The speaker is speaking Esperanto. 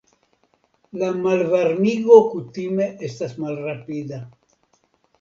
La malvarmigo kutime estas malrapida.